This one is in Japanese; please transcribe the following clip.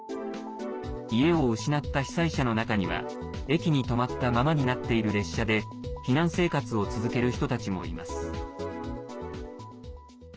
家を失った被災者の中には駅に止まったままになっている列車で避難生活を続ける人たちもいます。